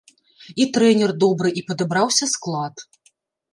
І трэнер добры, і падабраўся склад.